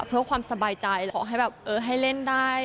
เพื่อความสบายใจขอให้แบบเออให้เล่นได้